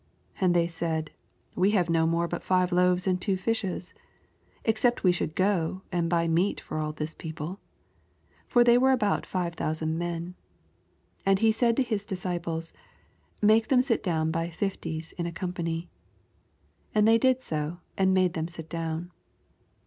And they Ba? d, We have no more but five loaves and two fishes ; exceT)t we should go and buy meat for ail this people. 14 For they were about five thou sand men. And he said to his disciples, Make them sit down by fifties in a company. 15 And they did so, and made them all sit down.